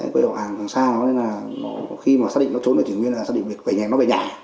quê đầu hàng càng xa hơn nó nên là khi mà xác định nó trốn vào thủy nguyên là xác định về nhà nó về nhà